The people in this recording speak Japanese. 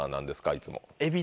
いつも。